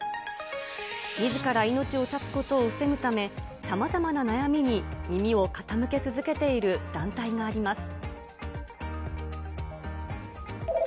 みずから命を絶つことを防ぐため、さまざまな悩みに耳を傾け続けている団体があります。